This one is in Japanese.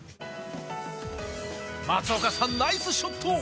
松岡さん、ナイスショット。